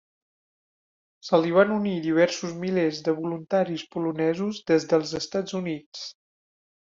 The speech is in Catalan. Se li van unir diversos milers de voluntaris polonesos des dels Estats Units.